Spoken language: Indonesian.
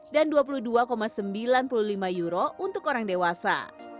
dan dua puluh dua sembilan puluh lima euro untuk orang dewasa